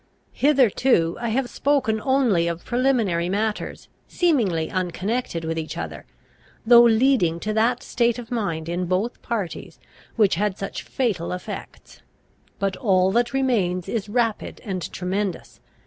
Hitherto I have spoken only of preliminary matters, seemingly unconnected with each other, though leading to that state of mind in both parties which had such fatal effects. But all that remains is rapid and tremendous.